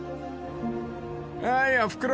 ［おーいおふくろ！